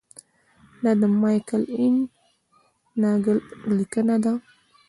دا د مایکل این ناګلر لیکنه ده.